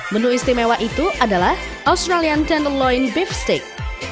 menu istimewa itu adalah australian tenderloin beef stick